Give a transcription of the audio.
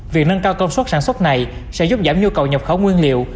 việc nâng cao công suất sản xuất này sẽ giúp giảm nhu cầu nhập khẩu nguyên liệu